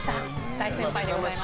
大先輩でございます。